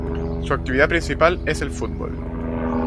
Su actividad principal es el fútbol.